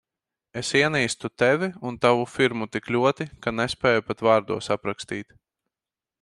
Es ienīstu Tevi un tavu firmu tik ļoti, ka nespēju pat vārdos aprakstīt.